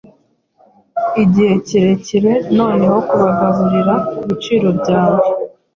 Igihe kirekire noneho kubagaburira kubiciro byawe